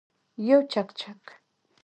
یو چکچک